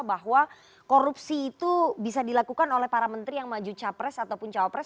bahwa korupsi itu bisa dilakukan oleh para menteri yang maju capres ataupun cawapres